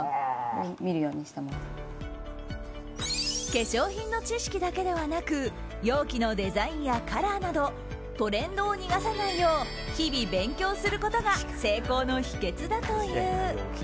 化粧品の知識だけではなく容器のデザインやカラーなどトレンドを逃さないよう日々、勉強することが成功の秘訣だという。